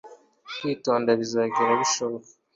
no kwitonda bizagenda bihosha kandi bikosora